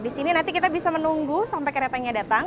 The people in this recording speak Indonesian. di sini nanti kita bisa menunggu sampai keretanya datang